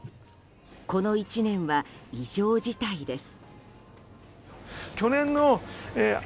この１年は、異常事態です。